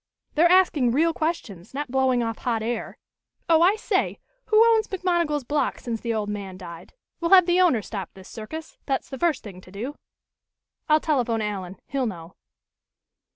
"They're asking real questions, not blowing off hot air. Oh, I say, who owns McMonigal's block since the old man died? We'll have the owner stop this circus. That's the first thing to do." "I'll telephone Allen. He'll know."